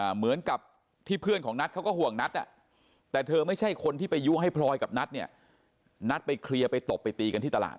เหมือนกับที่เพื่อนของนัทเขาก็ห่วงนัทแต่เธอไม่ใช่คนที่ไปยุให้พลอยกับนัทเนี่ยนัดไปเคลียร์ไปตบไปตีกันที่ตลาด